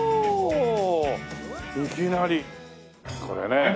これね。